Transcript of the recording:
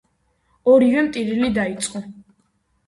ორივემ ტირილი დაიწყო.